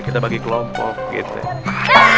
kita bagi kelompok gitu